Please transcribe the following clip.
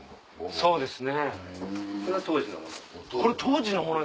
そうですね。